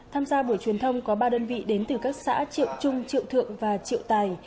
tham gia buổi truyền thông có ba đơn vị đến từ các xã triệu trung triệu thượng và triệu tài